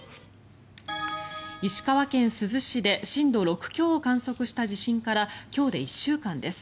石川県珠洲市で震度６強を観測した地震から今日で１週間です。